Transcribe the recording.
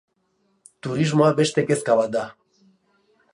Turismoa beste kezka bat da.